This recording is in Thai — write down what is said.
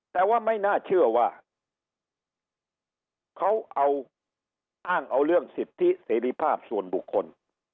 แต่ว่าไม่น่าเชื่อว่าเขาเอาอ้างเอาเรื่องสิทธิเสรีภาพส่วนบุคคล